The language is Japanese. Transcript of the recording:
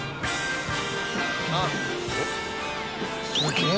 すげえ！